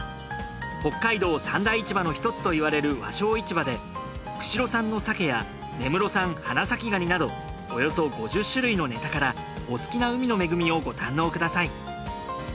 北海道三大市場の一つと言われる和商市場で釧路産の鮭や根室産花咲ガニなどおよそ５０種類のネタからお好きな海の恵みをご堪能ください。